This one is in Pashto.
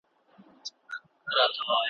په داسي حال کي چي ,